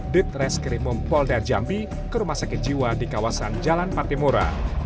di treskrimum polder jambi ke rumah sakit jiwa di kawasan jalan patimura